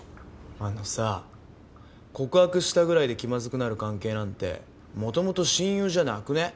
あのさぁ告白したぐらいで気まずくなる関係なんてもともと親友じゃなくね？